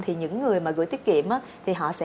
thì những người mà gửi tiết kiệm thì họ sẽ